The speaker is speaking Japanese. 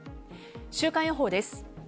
週間予報です。